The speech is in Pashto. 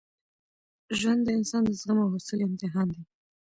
ژوند د انسان د زغم او حوصلې امتحان دی.